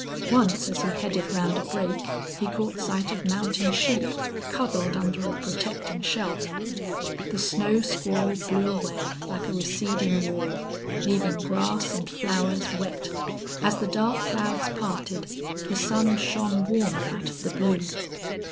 Once as he headed round a break he caught sight of mountain sheep cuddled under a protecting shelf. The snow squall blew away, like a receding wall, leaving grass and flowers wet. As the dark clouds parted, the sun shone warmer out of the blue.